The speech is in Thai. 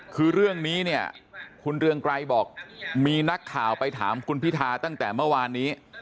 คือเรื่องนี้เนี่ยคุณเรืองไกรบอกมีนักข่าวไปถามคุณพิธาตั้งแต่เมื่อวานนี้